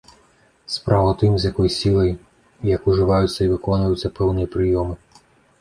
Справа ў тым, з якой сілай, як ужываюцца і выконваюцца пэўныя прыёмы.